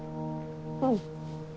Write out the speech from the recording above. うん。